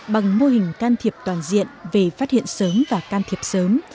bằng mô hình can thiệp toàn diện về phát hiện sớm và can thiệp sớm